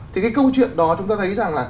thì cái câu chuyện đó chúng tôi thấy rằng là